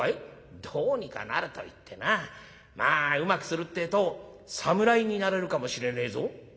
「どうにかなるといってなまあうまくするってえと侍になれるかもしれねえぞ」。